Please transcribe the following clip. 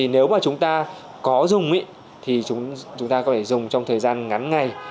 nếu mà chúng ta có dùng thì chúng ta có thể dùng trong thời gian ngắn ngày